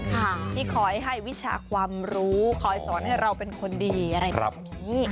ที่คอยให้วิชาความรู้คอยสอนให้เราเป็นคนดีอะไรแบบนี้